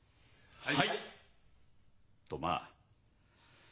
はい。